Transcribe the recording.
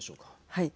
はい。